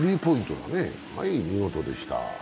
はい、見事でした。